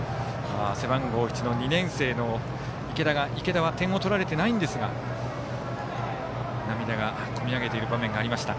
背番号１の２年生の池田池田は点は取られていませんが涙が込み上げている場面がありました。